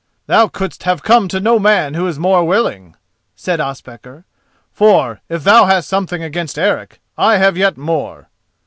"Thou couldst have come to no man who is more willing," said Ospakar, "for, if thou hast something against Eric, I have yet more."